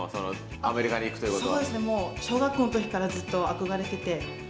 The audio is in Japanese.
アメリカに行くということは。